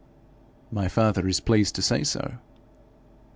'My father is pleased to say so.'